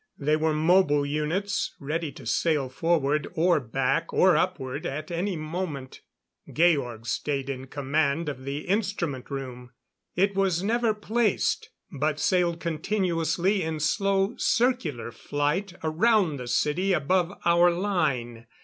They were mobile units, ready to sail forward or back or upward at any moment. Georg stayed in command of the instrument room. It was never placed, but sailed continuously in slow circular flight around the city above our line.